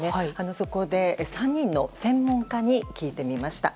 そこで３人の専門家に聞いてみました。